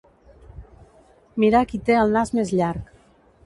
Mirar qui té el nas més llarg.